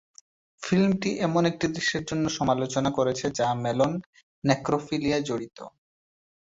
ফিল্মটি এমন একটি দৃশ্যের জন্য সমালোচনা করেছে যা ম্যালোন নেক্রোফিলিয়ায় জড়িত।